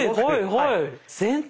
はい。